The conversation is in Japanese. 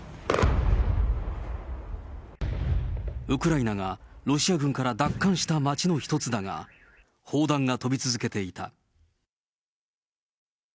ウクライナがロシア軍から奪還した町の一つだが、砲弾が飛び続けていた。